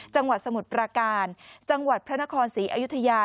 สมุทรปราการจังหวัดพระนครศรีอยุธยา